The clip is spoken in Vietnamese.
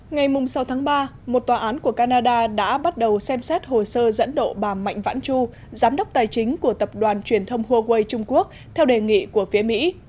ngày sáu tháng ba một tòa án của canada đã bắt đầu xem xét hồ sơ dẫn độ bà mạnh vãn chu giám đốc tài chính của tập đoàn truyền thông huawei trung quốc theo đề nghị của phía mỹ